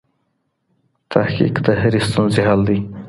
تحقیق د هرې ستونزې حل دی.